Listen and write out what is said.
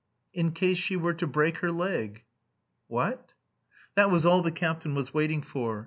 "'In case she were to break her leg.'" "Wha a t?" That was all the captain was waiting for.